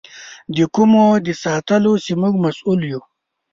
د کومو د ساتلو چې موږ مسؤل یو.